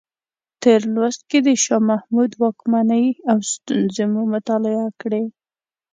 تېر لوست کې د شاه محمود واکمنۍ او ستونزې مو مطالعه کړې.